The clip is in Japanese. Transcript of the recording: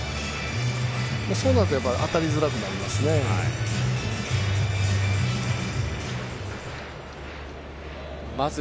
そうなると当たりづらくなります。